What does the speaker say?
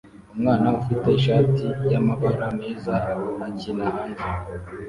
Umwana ufite ishati yamabara meza akina hanze